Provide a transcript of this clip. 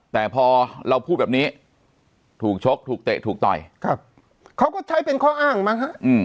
แต่พอเราพูดแบบนี้ถูกชกถูกเตะถูกต่อยเขาก็ใช้เป็นข้ออ้างมั้งฮะ